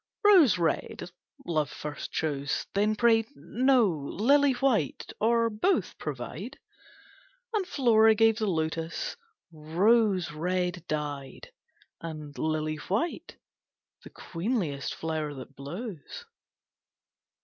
"Rose red," Love first chose, Then prayed, "No, lily white, or, both provide;" And Flora gave the lotus, "rose red" dyed, And "lily white," the queenliest flower that blows.